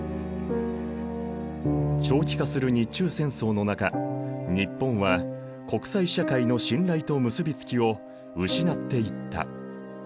長期化する日中戦争の中日本は国際社会の信頼と結び付きを失っていった。